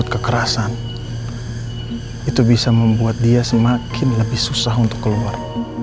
kekuasaan yang lebih besar